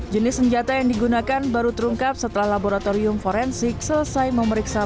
jenis senjata yang digunakan baru terungkap setelah laboratorium forensik selesai memeriksa